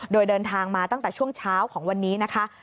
โดยเดินทางมาตั้งแต่ช่วงเช้าของวันนี้นะคะ